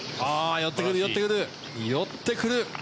寄ってくる、寄ってくる。